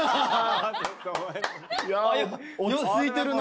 落ち着いてるな。